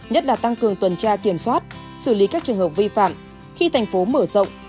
nhất là tăng cường tuần tra kiểm soát xử lý các trường hợp vi phạm khi thành phố mở rộng